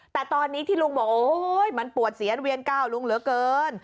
แต่ตอนนี้ที่ลุงบอกโอ๊ยมันปวดเสียนเวียนก้าวลุงเหลือเกิน